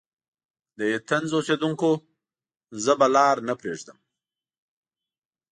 د ایتهنز اوسیدونکیو! زه به لار نه پريږدم.